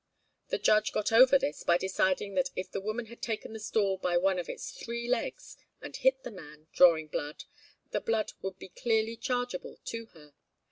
The judge got over this by deciding that if the woman had taken the stool by one of its three legs, and hit the man, drawing blood, the blood would be clearly chargeable to her.